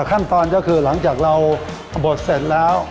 ขั้นตอนก็คือหลังจากเราบดเสร็จแล้ว